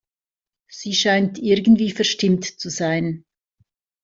Sie scheint irgendwie verstimmt zu sein.